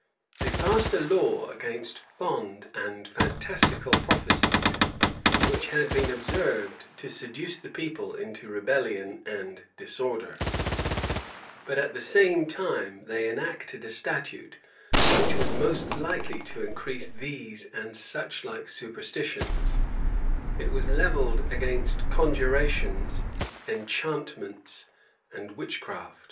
They passed a law against fond and fantastical prophecies, which had been observed to seduce the people into rebellion and disorder:[] but at the same time they enacted a statute, which was most likely to increase these and such like superstitions: it was levelled against conjurations, enchantments, and witchcraft.